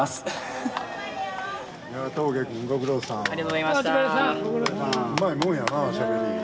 うまいもんやなぁしゃべり。